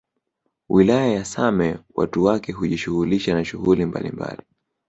Wilaya ya Same watu wake hujishuhulisha na shughuli mbalimbali